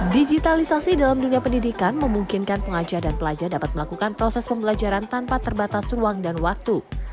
digitalisasi dalam dunia pendidikan memungkinkan pengajar dan pelajar dapat melakukan proses pembelajaran tanpa terbatas ruang dan waktu